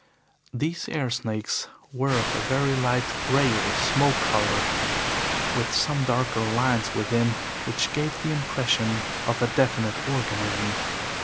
These air snakes were of a very light grey or smoke colour, with some darker lines within, which gave the impression of a definite organism.